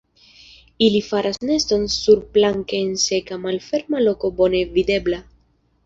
Ili faras neston surplanke en seka malferma loko bone videbla.